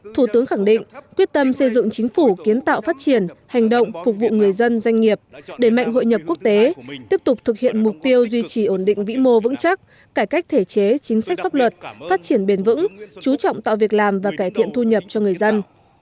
thủ tướng khẳng định quyết tâm xây dựng chính phủ kiến tạo phát triển hành động phục vụ người dân doanh nghiệp để mạnh hội nhập quốc tế tiếp tục thực hiện mục tiêu duy trì ổn định vĩ mô vững chắc cải cách thể chế chính sách pháp luật phát triển bền vững chú trọng tạo việc làm và cải thiện thu nhập cho người dân